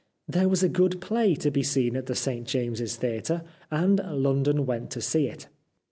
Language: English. There was a good play to be seen at the St James's Theatre, and London went to see it.